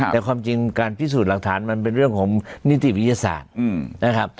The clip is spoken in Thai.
แต่ความจริงการพิสูจน์หลักฐานมันเป็นเรื่องของนิติวิทยาศาสตร์นะครับ